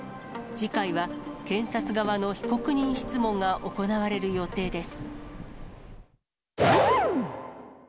次回は、検察側の被告人質問が行われる予定です。